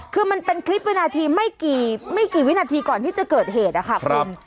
คือมันเป็นคลิปวินาทีไม่กี่วินาทีก่อนที่จะเกิดเหตุนะคะคุณ